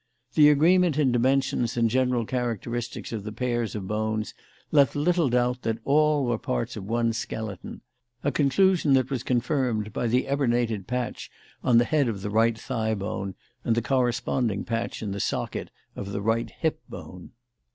The agreement in dimensions and general characteristics of the pairs of bones left little doubt that all were parts of one skeleton, a conclusion that was confirmed by the eburnated patch on the head of the right thigh bone and the corresponding patch in the socket of the right hip bone.